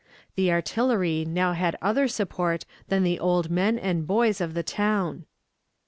The artillery now had other support than the old men and boys of the town.